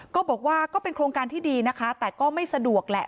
ก็บอกว่าก็เป็นโครงการที่ดีนะคะแต่ก็ไม่สะดวกแหละ